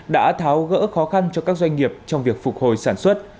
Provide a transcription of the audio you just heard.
đã tháo gỡ khó khăn cho các doanh nghiệp trong việc phục hồi sản xuất